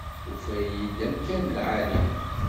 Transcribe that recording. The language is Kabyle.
Tufa-yi-d amkan n lεali.